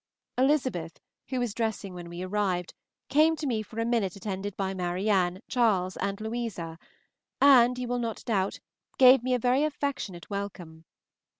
Elizabeth, who was dressing when we arrived, came to me for a minute attended by Marianne, Charles, and Louisa, and, you will not doubt, gave me a very affectionate welcome.